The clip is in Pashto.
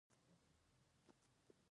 انسان ژوند د غمونو او خوښیو ځاله ده